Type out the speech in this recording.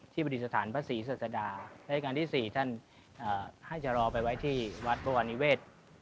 ที่ส่วนให้การที่๔ท่านให้รอไปไว้ที่วัฒน์บระวัณิเวช